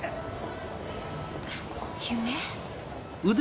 夢？